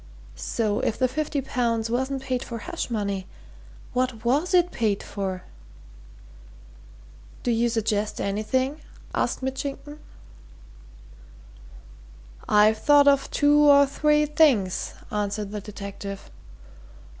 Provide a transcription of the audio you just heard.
So if the fifty pounds wasn't paid for hush money, what was it paid for?" "Do you suggest anything?" asked Mitchington. "I've thought of two or three things," answered the detective.